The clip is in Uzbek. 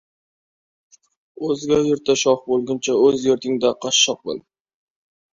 • O‘zga yurtda shoh bo‘lguncha, o‘z yurtingda qashshoq bo‘l.